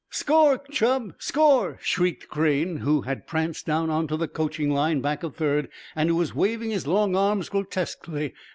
"Score, Chub score!" shrieked Crane, who had pranced down onto the coaching line back of third, and who was waving his long arms grotesquely.